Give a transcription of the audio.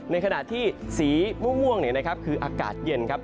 ในขณะที่สีม่วงเนี่ยนะครับคืออากาศเย็นครับ